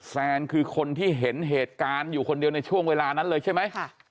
แซนคือคนที่เห็นเหตุการณ์อยู่คนเดียวในช่วงเวลานั้นเลยใช่ไหม